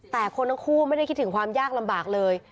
แต่คนทั้งคู่ไม่ได้คิดถึงความยากลำบากเลย